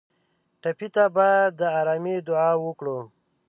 ټپي ته باید د ارامۍ دعا وکړو.